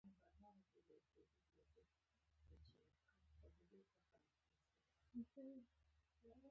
هغه د اضافي ارزښت د زیاتولو لپاره نورې لارې لټوي